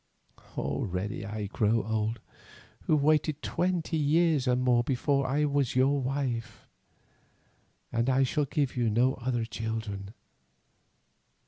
Already I grow old, who waited twenty years and more before I was your wife, and I shall give you no other children.